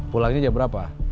pulangnya jam berapa